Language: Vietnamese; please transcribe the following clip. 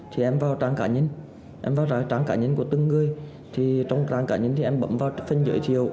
thì em vào trang cá nhân em vào trang cá nhân của từng người thì trong trang cá nhân thì em bấm vào phân giới thiệu